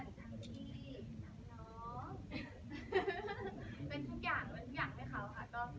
เป็นทุกอย่างให้เขาค่ะ